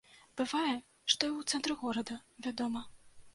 Бывае, што і ў цэнтры горада, вядома.